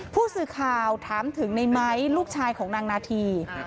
ผู้สื่อข่าวถามถึงในไม้ลูกชายของนางนาธี